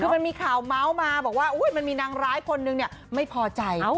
คือมันมีข่าวเมาส์มาบอกว่ามันมีนางร้ายคนนึงไม่พอใจ